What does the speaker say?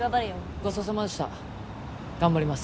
ごちそうさまでした頑張ります